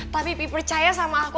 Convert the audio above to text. tapi bi percaya sama aku